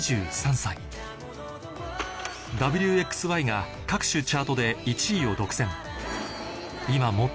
『Ｗ／Ｘ／Ｙ』が各種チャートで１位を独占